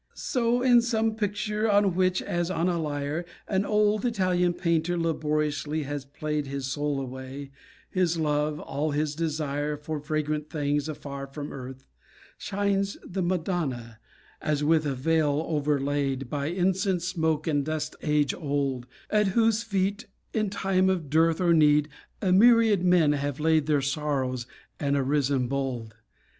So in some picture, on which as on a lyre, An old Italian painter laboriously has played His soul away, his love, all his desire For fragrant things afar from earth, Shines the Madonna, as with a veil overlaid By incense smoke and dust age old, At whose feet, in time of dearth Or need, a myriad men have laid Their sorrows and arisen bold.